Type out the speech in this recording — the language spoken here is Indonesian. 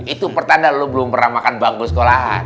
itu pertanda lo belum pernah makan bangun sekolahan